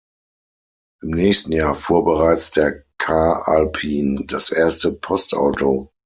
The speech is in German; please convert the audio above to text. Im nächsten Jahr fuhr bereits der Car-Alpin, das erste Postauto.